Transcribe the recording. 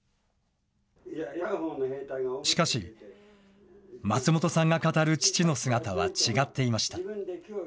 しかし、松本さんが語る父の姿は違っていました。